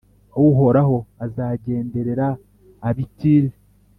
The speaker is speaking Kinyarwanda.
Uhoraho azagenderera ab’i Tiri